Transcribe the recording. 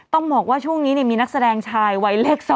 ต้องบอกว่าช่วงนี้มีนักแสดงชายวัยเลข๒